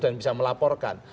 dan bisa melaporkan